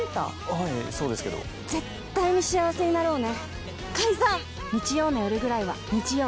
はいそうですけど絶対に幸せになろうね解散！